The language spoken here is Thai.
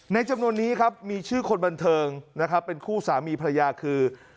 จำนวนนี้ครับมีชื่อคนบันเทิงนะครับเป็นคู่สามีภรรยาคือ